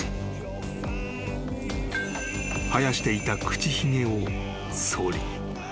［生やしていた口ひげをそり］